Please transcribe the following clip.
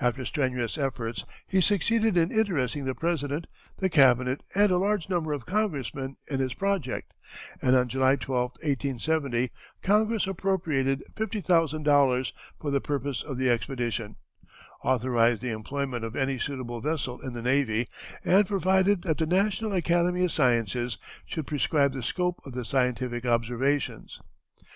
After strenuous efforts he succeeded in interesting the President, the Cabinet, and a large number of Congressmen in his project, and on July 12, 1870, Congress appropriated $50,000 for the purpose of the expedition; authorized the employment of any suitable vessel in the navy, and provided that the National Academy of Sciences should prescribe the scope of the scientific observations.